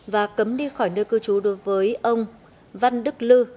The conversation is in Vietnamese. và cấm đi khỏi nơi cư trú đối với ông văn đức lư